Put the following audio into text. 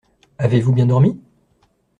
Avez-vous bien dormi?